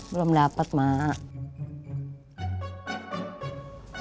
belum dapet mak